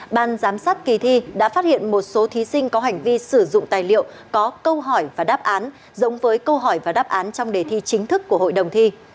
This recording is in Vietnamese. ban giám sát kỳ thi đã phát hiện một số thí sinh có hành vi sử dụng tài liệu có câu hỏi và đáp án giống với câu hỏi và đáp án trong đề thi chính thức của hội đồng thi